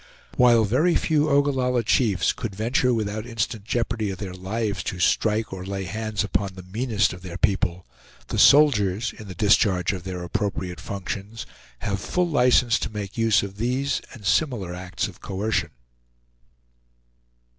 While very few Ogallalla chiefs could venture without instant jeopardy of their lives to strike or lay hands upon the meanest of their people, the "soldiers" in the discharge of their appropriate functions, have full license to make use of these and similar acts of coercion.